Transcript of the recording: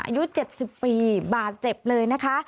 อายุ๗๐ปีบาดเจ็บเลยนะคะ